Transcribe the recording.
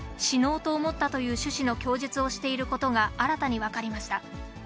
死のうと思ったという趣旨の供述をしていることが、新たに分かりました。